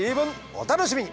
お楽しみに！